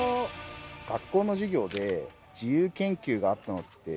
学校の授業で自由研究があったのって。